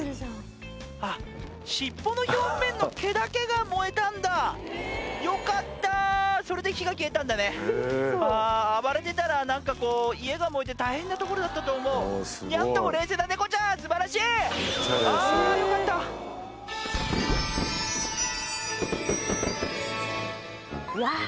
あっ尻尾の表面の毛だけが燃えたんだよかったそれで火が消えたんだね暴れてたら何かこう家が燃えて大変なところだったと思うニャンとも冷静な猫ちゃん素晴らしいあよかったうわっ